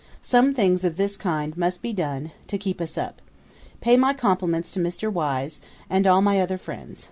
Some things of this kind must be done, to keep us up. Pay my compliments to Mr. Wise, and all my other friends.